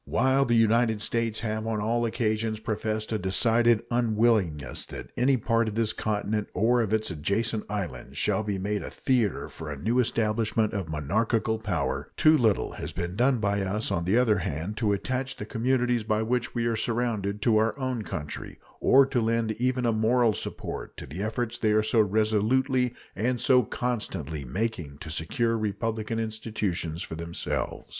While the United States have on all occasions professed a decided unwillingness that any part of this continent or of its adjacent islands shall be made a theater for a new establishment of monarchical power, too little has been done by us, on the other hand, to attach the communities by which we are surrounded to our own country, or to lend even a moral support to the efforts they are so resolutely and so constantly making to secure republican institutions for themselves.